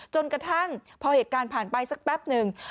จนกระทั่งพอเหตุการณ์ผ่านไปสักแป๊บหนึ่ง